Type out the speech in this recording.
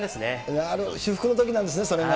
なるほど、至福のときなんですね、それが。